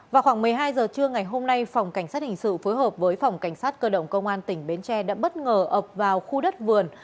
vào khoảng một mươi hai giờ trưa ngày hôm nay phòng cảnh sát hình sự phối hợp với phòng cảnh sát cơ động công an tỉnh bến tre đã bất ngờ ập vào khu đất vườn